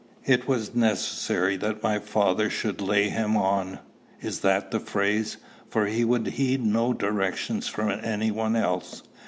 It was necessary that my father should lay him on (is that the phrase?); for he would heed no directions from any one else.